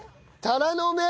タラの芽